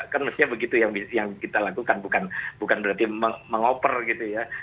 kan mestinya begitu yang kita lakukan bukan berarti mengoper gitu ya